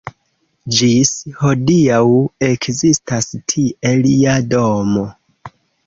Ĝis hodiaŭ ekzistas tie lia domo.